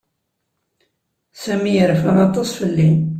Sami yerfa aṭas fell-i.